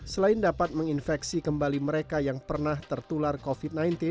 selain dapat menginfeksi kembali mereka yang pernah tertular covid sembilan belas